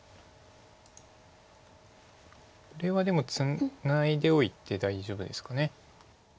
これはでもツナいでおいて大丈夫ですか。